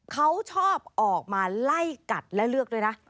เขาชอบออกมาไล่กัดและเลือกด้วยนะ